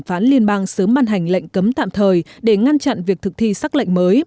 phán liên bang sớm ban hành lệnh cấm tạm xác lệnh